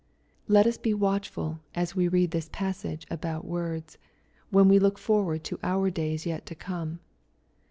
Let us be watchful as we read this passage about wordB, 134 SXPOSITOBT THOUGHTS. when we look forward to our days yet to come.